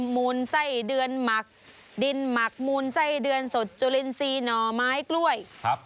มูลไส้เดือนหมักดินหมักมูลไส้เดือนสดจุลินทรีย์หน่อไม้กล้วยครับ